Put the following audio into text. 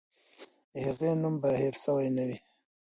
د هغې نوم به هېر سوی نه وي.